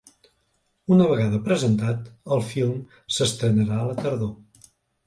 Una vegada presentat, el film s’estrenarà a la tardor.